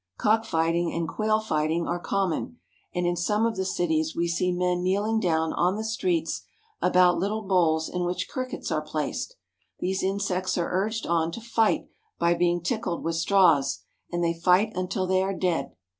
Cock fighting and quail fighting are common, and in some of the cities we see men kneeling down on the streets about little bowls in which crickets are placed. These insects are urged on to fight by being tickled with straws, and they fight until they "The Chinese baby has no cradle." CURIOUS CHINESE CUSTOMS 1/5 are dead.